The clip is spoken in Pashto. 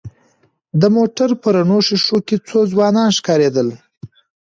د موټر په رڼو ښېښو کې څو ځوانان ښکارېدل.